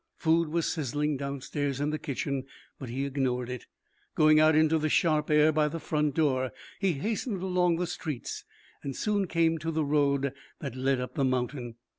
Food was sizzling downstairs in the kitchen, but he ignored it, going out into the sharp air by the front door. He hastened along the streets and soon came to the road that led up the mountain.